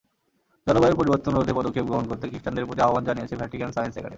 জলবায়ুর পরিবর্তন রোধে পদক্ষেপ গ্রহণ করতে খ্রিষ্টানদের প্রতি আহ্বান জানিয়েছে ভ্যাটিকান সায়েন্স একাডেমি।